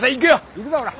行くぞほら！